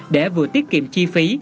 để vừa tiết kiệm chi phí